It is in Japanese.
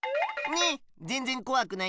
ぜんぜんこわくないでしょ！